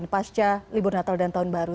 pasca libur natal dan tahun baru